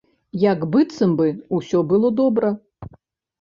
Як быццам бы ўсё было добра.